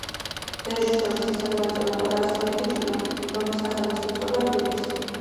რეჟისორს ისე მოეწონა პატარა სვანი ბიჭუნა, რომლის სახელიც უწოდა ფილმს.